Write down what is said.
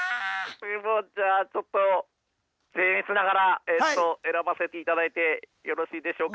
じゃあちょっとせん越ながら選ばせていただいてよろしいでしょうか。